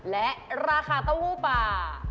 และราคาเต้าหู้ป่า